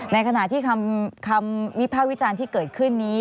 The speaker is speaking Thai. ในขณะที่คำวิภาควิจารณ์ที่เกิดขึ้นนี้